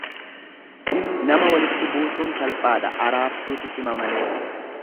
Nama walitti buusuun salphaadha, araarsuutu cima malee.